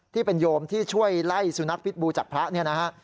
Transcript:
ที่เป็นโยมที่ช่วยไล่สุนัขพิษบูจากพระเนี่ยนะฮะ